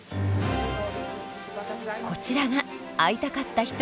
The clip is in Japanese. こちらが会いたかった人。